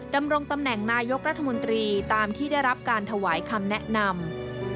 ดำรงตำแหน่งนายกรัฐมนตรีตามที่ได้รับการถวายคำแนะนำ